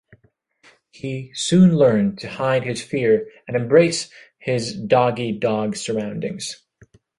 He soon learned to hide his fear and embrace his dog-eat-dog surroundings.